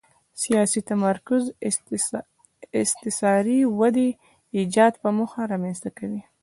سیاسي تمرکز استثاري ودې ایجاد په موخه رامنځته کوي.